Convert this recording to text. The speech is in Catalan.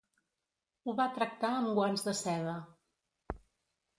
Ho va tractar amb guants de seda.